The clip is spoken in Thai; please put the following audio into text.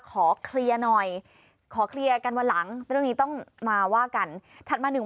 ประกันแต่คู่กรณีไม่ลงมาคุยด้วยนะคะคุณแม่ก็เลยเดินไปขวาง